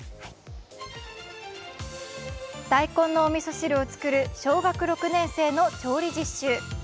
大根のおみそ汁をつくる小学６年生の調理実習。